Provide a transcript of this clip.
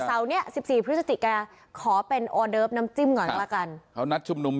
เสาร์เนี่ยสิบสี่พฤศจิกาขอเป็นอีกหน่อยก็ล่ะกันเขานัดชุมนม